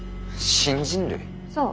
そう。